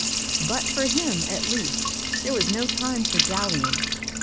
But for him, at least, there was no time for dallying.